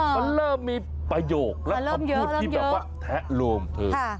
มันเริ่มมีประโยคและคำพูดที่แบบว่าแทะโลมเธอ